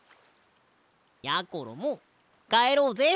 やころもかえろうぜ。